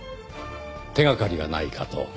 手掛かりがないかと。